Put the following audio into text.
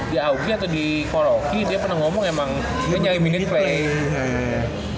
di auki atau di koroki dia pernah ngomong emang dia nyari mini play